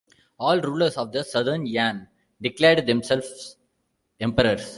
All rulers of the Southern Yan declared themselves "emperors".